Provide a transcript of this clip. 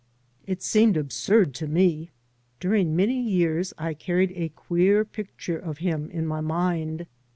It seemed absurd to me ; during many years I carried a queer picture of him in my mind.